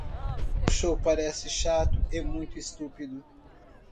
O show parece chato e muito estúpido.